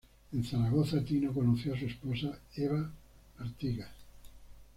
En Zaragoza Tino conoció a su esposa Eva Artigas.